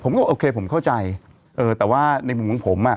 ผมก็บอกโอเคผมเข้าใจแต่ว่าในมุมของผม